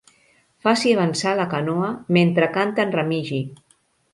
Faci avançar la canoa mentre canta en Remigi.